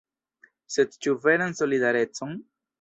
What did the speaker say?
Sed ĉu veran solidarecon?